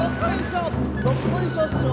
どっこいっしょしょ